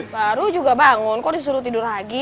baru juga bangun kok disuruh tidur lagi